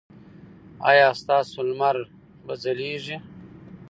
ایا ستاسو لمر به ځلیږي؟